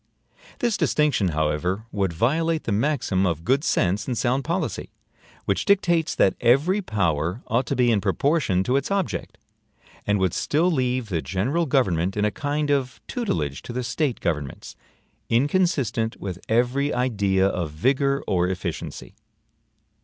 This distinction, however, would violate the maxim of good sense and sound policy, which dictates that every POWER ought to be in proportion to its OBJECT; and would still leave the general government in a kind of tutelage to the State governments, inconsistent with every idea of vigor or efficiency.